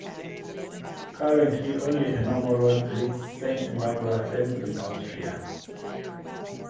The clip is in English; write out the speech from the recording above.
Currently only a normal road links Saint Margrethen with Austria.